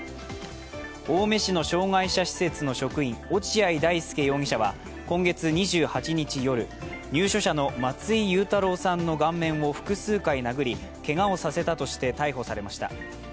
青梅市の障害者施設の職員落合大丞容疑者は今月２８日夜、入所者の松井祐太朗さんの顔面を複数回殴りけがをさせたとして逮捕されました。